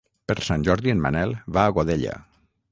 Per Sant Jordi en Manel va a Godella.